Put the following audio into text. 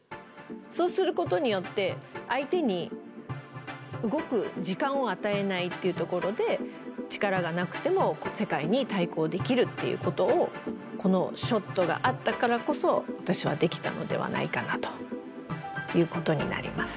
そうすることによって相手に動く時間を与えないっていうところで力がなくても世界に対抗できるっていうことをこのショットがあったからこそ私はできたのではないかなということになります。